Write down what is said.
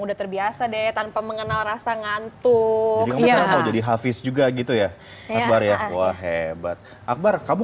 udah terbiasa deh tanpa mengenal rasa ngantuk jadi hafiz juga gitu ya akbar ya wah hebat akbar kamu